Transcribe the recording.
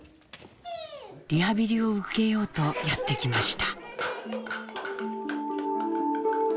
リハビリを受けようとやって来ました。